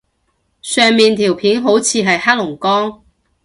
上面條片好似係黑龍江